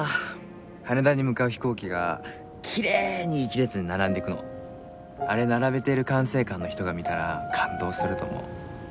羽田に向かう飛行機がきれいに一列に並んでいくのあれ並べてる管制官の人が見たら感動すると思う。